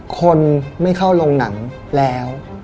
คนไม่เข้าโรงหนังแล้ว